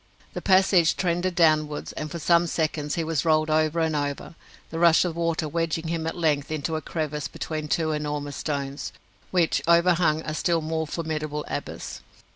The passage trended downwards, and for some seconds he was rolled over and over, the rush of water wedging him at length into a crevice between two enormous stones, which overhung a still more formidable abyss.